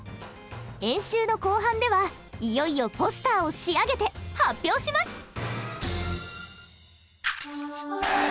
演習の後半ではいよいよポスターを仕上げて発表します！